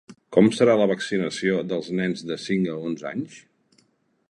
Com serà la vaccinació dels nens de cinc a onze anys?